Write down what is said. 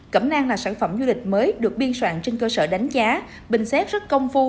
cẩm nang là sản phẩm du lịch mới được biên soạn trên cơ sở đánh giá bình xét rất công phu